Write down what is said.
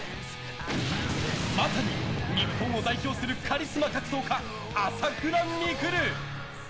まさに、日本を代表するカリスマ格闘家・朝倉未来。